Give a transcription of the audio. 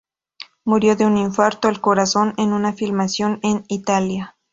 Murió de un infarto al corazón en una filmación en Italia.